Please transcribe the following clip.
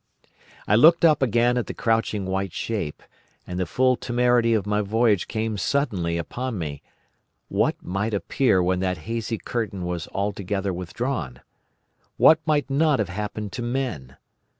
"I looked up again at the crouching white shape, and the full temerity of my voyage came suddenly upon me. What might appear when that hazy curtain was altogether withdrawn? What might not have happened to men?